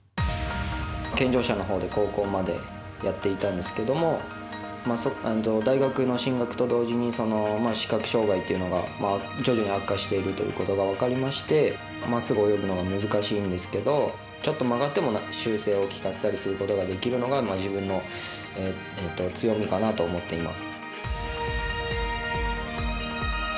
健常者のほうで高校までやっていたんですけども大学の進学と同時に視覚障がいというのが徐々に悪化しているということが分かりましてまっすぐ泳ぐのは難しいんですがちょっと曲がっても修正をきかせたりすることができるのが自分の強みかなと思っています。